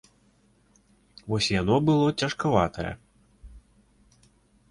Вось яно было цяжкаватае.